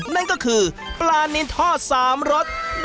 นั่นก็คือปลานินทอด๓รส